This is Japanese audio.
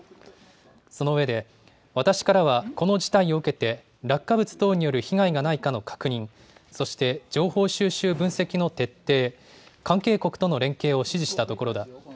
そのうえで私からはこの事態を受けて落下物等による被害がないかの確認、そして情報収集分析の徹底、関係国との連携を指示したところだ。